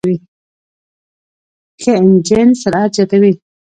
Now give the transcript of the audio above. ښه انجن سرعت زیاتوي.